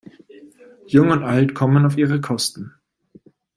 Jung und Alt kommen auf ihre Kosten.